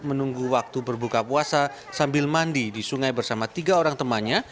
menunggu waktu berbuka puasa sambil mandi di sungai bersama tiga orang temannya